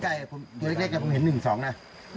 เดี๋ยวเล็กก็จะเห็น๑๒นะ